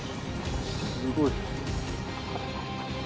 すごい。